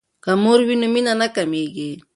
که مور وي نو مینه نه کمیږي.